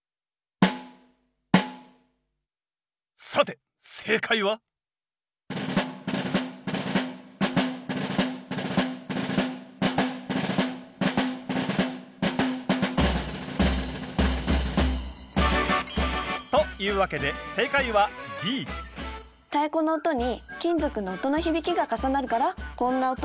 さて正解は？というわけで太鼓の音に金属の音の響きが重なるからこんな音になるんですよ。